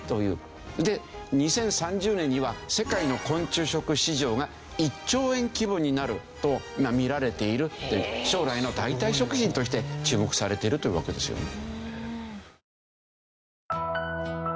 で２０３０年には世界の昆虫食市場が１兆円規模になるとみられているという。として注目されているというわけですよね。